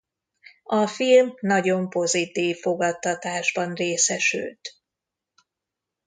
A film nagyon pozitív fogadtatásban részesült.